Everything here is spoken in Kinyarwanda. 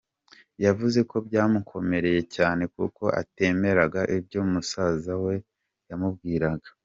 Yavuze ko byamukomereye cyane kuko atemeraga ibyo musaza we yamubwiraga.